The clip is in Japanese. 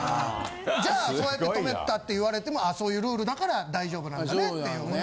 じゃあそうやって泊めたって言われてもあそういうルールだから大丈夫なんだねっていう。